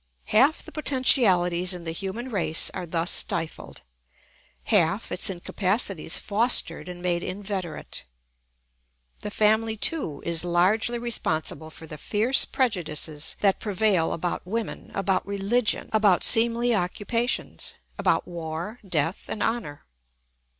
Half the potentialities in the human race are thus stifled, half its incapacities fostered and made inveterate. The family, too, is largely responsible for the fierce prejudices that prevail about women, about religion, about seemly occupations, about war, death, and honour.